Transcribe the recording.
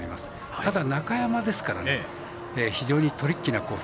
ただ、中山ですから非常にトリッキーなコース